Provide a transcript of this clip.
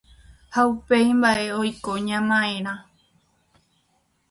ha upéi mba’e oiko ña ma’érã